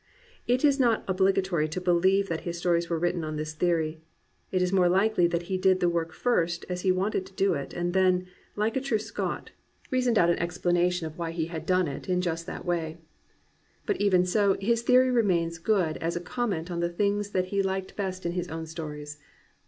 It is not ob ligatory to beUeve that his stories were written on this theory. It is more likely that he did the work first as he wanted to do it, and then, Hke a true Scot, reasoned out an explanation of why he had 379 COMPANIONABLE BOOKS done it in just that way. But even so, his theory remains good as a comment on the things that he liked best in his own stories.